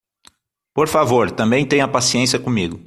Por favor, também tenha paciência comigo.